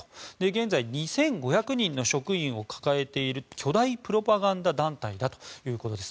現在２５００人の職員を抱えている巨大プロパガンダ団体だということです。